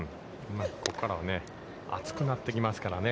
ここからは暑くなってきますからね。